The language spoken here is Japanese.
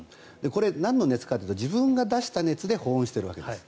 これ、なんの熱かというと自分が出した熱で保温しているわけです。